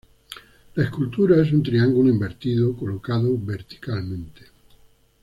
La escultura es un triángulo invertido colocado verticalmente.